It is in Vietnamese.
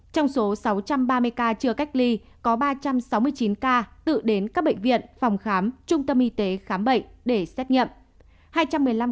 trong số sáu trăm ba mươi ca chưa cách ly có ba trăm sáu mươi chín ca tự đến các bệnh viện phòng khám trung tâm y tế khám bệnh để xét nghiệm